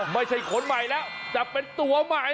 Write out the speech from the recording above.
ไม่ใช่คนใหม่แล้วจะเป็นตัวใหม่